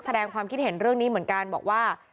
แสดงความคิดเห็นเรื่องนี้เหมือนกันบอกว่า